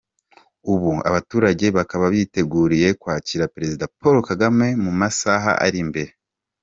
Ubu abaturage bakaba biteguriye kwakira Perezida Paul Kagame mu masaha ari imbere.